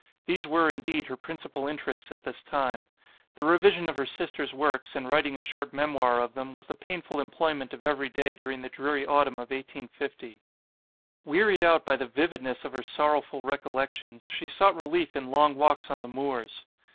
These were, indeed, her principal interests at this time; the revision of her sister's works, and writing a short memoir of them, was the painful employment of every day during the dreary autumn of 1850. Wearied out by the vividness of her sorrowful recollections, she sought relief in long walks on the moors.